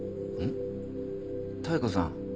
妙子さん